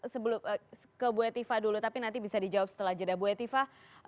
sebelum ke bu hetifah dulu tapi nanti bisa dijawab setelah jeda bu hetifah